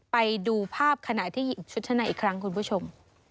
ไปดูภาพขณะที่ชุดชั้นในอีกครั้งคุณผู้ชม